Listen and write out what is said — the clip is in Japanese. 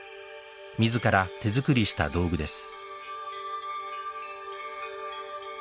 自ら手作りした道具です。